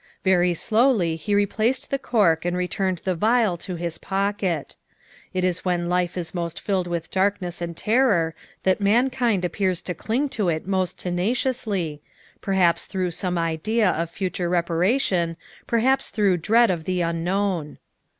Very slowly he replaced the cork and returned the vial to his pocket. It is when life is most filled with darkness and terror that mankind appears to cling to it most tenaciously, perhaps through some idea of future reparation, perhaps through dread of the unknown.